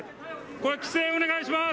これ、規制お願いします。